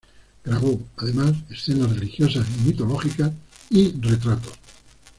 Grabó, además, escenas religiosas y mitológicas y retratos.